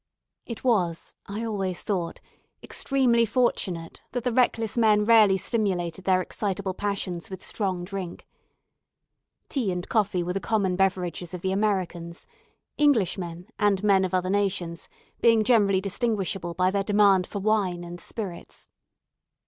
It was, I always thought, extremely fortunate that the reckless men rarely stimulated their excitable passions with strong drink. Tea and coffee were the common beverages of the Americans; Englishmen, and men of other nations, being generally distinguishable by their demand for wine and spirits.